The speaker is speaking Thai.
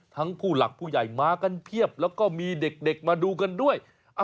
ผู้หลักผู้ใหญ่มากันเพียบแล้วก็มีเด็กมาดูกันด้วย